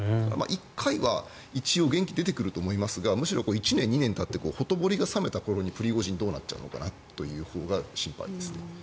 １回は一応元気に出てくると思いますがむしろ１年、２年たってほとぼりが冷めた時にプリゴジンどうなっちゃうのかなというほうが心配ですね。